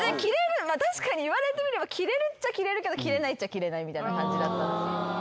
確かに言われてみれば着れるっちゃ着れるけど着れないっちゃ着れないみたいな感じだった。